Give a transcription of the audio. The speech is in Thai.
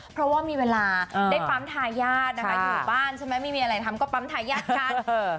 เพราะว่ามีเวลาได้ปั๊มทายาทนะคะอยู่บ้านใช่ไหมไม่มีอะไรทำก็ปั๊มทายาทกัน